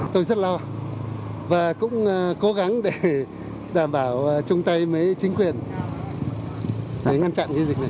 tôi rất lo và cũng cố gắng để đảm bảo chung tay với chính quyền để ngăn chặn cái dịch này